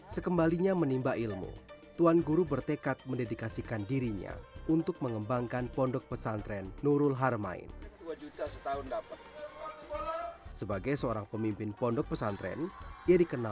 sekembalinya menimba ilmu tuan guru bertekad mendedikasikan dirinya untuk mengembangkan pondok pesantren nurul harmain